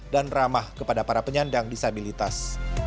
ramah kepada para penyandang disabilitas